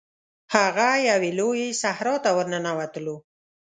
هغه یوې لويي صحرا ته ورننوتلو.